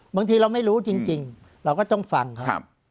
บางทีเราไม่รู้จริงเราก็ต้องฟังครับ